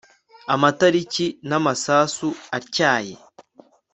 Amatariki namasasu atyaye